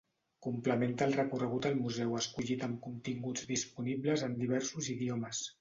Complementa el recorregut al museu escollit amb continguts disponibles en diversos idiomes.